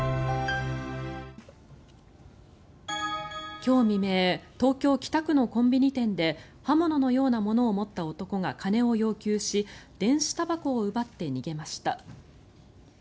今日未明東京・北区のコンビニ店で刃物のようなものを持った男が金を要求し電子たばこを奪って逃げました。